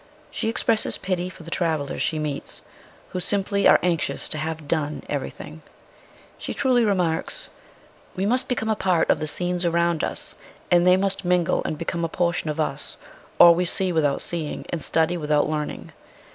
She expresses pity for the travellers she meets, who simply are anxious to have " done" everything. She truly remarks :" We must become a part of the scenes around us, and they must mingle and become a portion of us, or we see without seeing, and study without learning.